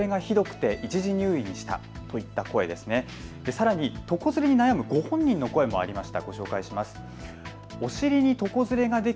さらに床ずれに悩むご本人の声もありました。